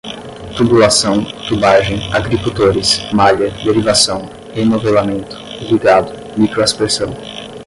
tubulação, tubagem, agricultores, malha, derivação, enovelamento, irrigado, microaspersão